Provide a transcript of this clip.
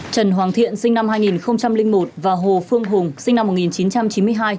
trần hoàng thiện sinh năm hai nghìn một và hồ phương hùng sinh năm một nghìn chín trăm chín mươi hai